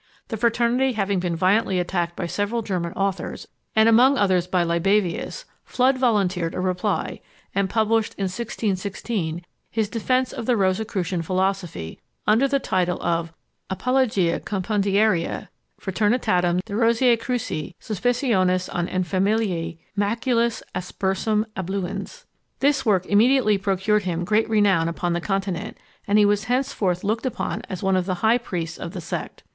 The fraternity having been violently attacked by several German authors, and among others by Libavius, Fludd volunteered a reply, and published, in 1616, his defence of the Rosicrucian philosophy, under the title of the Apologia compendiaria Fraternitatem de Rosea cruce suspicionis et infamiæ maculis aspersam abluens. This work immediately procured him great renown upon the Continent, and he was henceforth looked upon as one of the high priests of the sect.